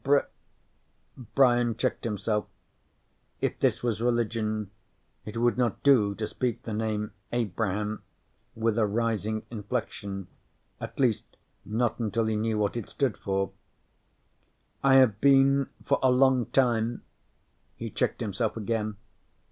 "Abr " Brian checked himself. If this was religion, it would not do to speak the name Abraham with a rising inflection, at least not until he knew what it stood for. "I have been for a long time " He checked himself again.